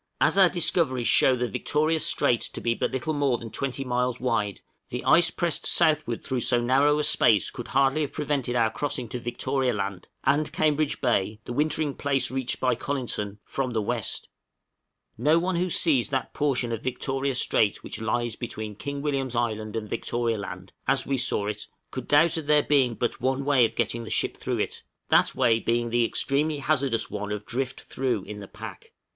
As our discoveries show the Victoria Strait to be but little more than 20 miles wide, the ice pressed southward through so narrow a space could hardly have prevented our crossing to Victoria Land, and Cambridge Bay, the wintering place reached by Collinson, from the west. No one who sees that portion of Victoria Strait which lies between King William's Island and Victoria Land, as we saw it, could doubt of there being but one way of getting a ship through it, that way being the extremely hazardous one of drift through in the pack.